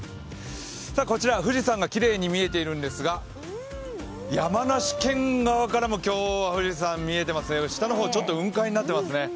こちら富士山がきれいに見えているんですが、山梨県側からも今日は富士山、見えていますね、下の方、ちょっと雲海になっていますね。